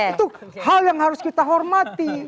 itu hal yang harus kita hormati